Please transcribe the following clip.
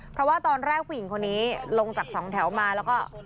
เพราะว่าตอนแรกผู้หญิงคนนี้ลงจากสองแถวมาแล้วก็